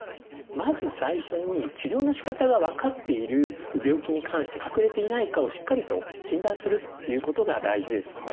まず最初に治療のしかたが分かっている病気に関して隠れていないかをしっかりと診断するということが大事です。